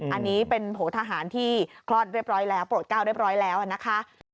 อันนี้เป็นโหทหารที่คลอดเรียบร้อยแล้วโปรดก้าวเรียบร้อยแล้วนะคะ